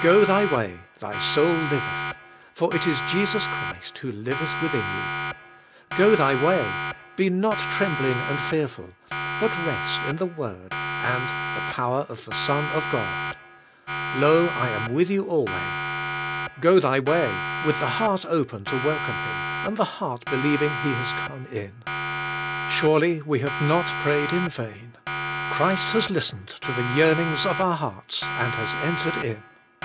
Go thy way, th}^ soul liveth; for it is Jesus Christ who liveth within you. Go thy way; be not trembling and fearful, but 7'csi in ihc word and the power of the Son of God, "Lo, I am with you alway." Go th}' way, with the heart open to welcome Him, and the heart believing He has come in. Surely we have not prayed in vain. Christ has listened to the yearnings of our hearts and has entered in.